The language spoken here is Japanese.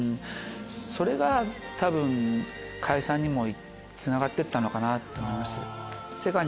それが多分解散にもつながってったのかなと思います。